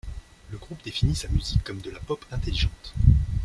Le groupe définit sa musique comme de la pop intelligente.